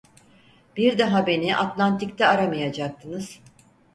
Bir daha beni Atlantik'te aramayacaktınız…